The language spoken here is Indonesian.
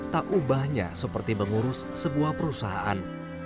tak ubahnya seperti mengurus sebuah perusahaan